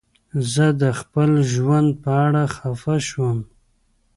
زه د خپل ژوند په اړه خفه شوم.